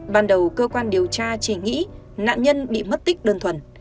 ban đầu cơ quan điều tra chỉ nghĩ nạn nhân bị mất tích đơn thuần